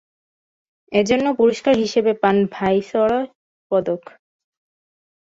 এজন্য পুরস্কার হিসেবে পান ভাইসরয় পদক।